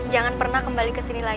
jangan pernah kembali kesini lagi